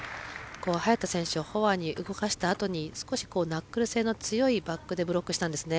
早田選手をフォアに動かしたあとに少しナックル性の強いバックでブロックしたんですね。